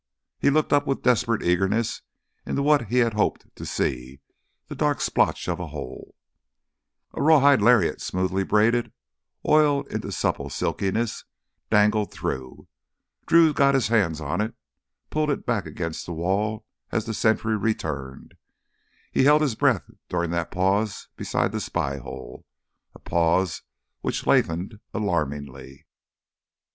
He looked up with desperate eagerness into what he had hoped to see—the dark splotch of a hole. A rawhide lariat smoothly braided, oiled into supple silkiness, dangled through. Drew got his hands on it, pulled it back against the wall as the sentry returned. He held his breath during that pause beside the spy hole, a pause which lengthened alarmingly.